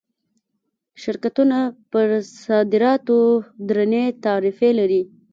شرکتونه پر صادراتو درنې تعرفې لري.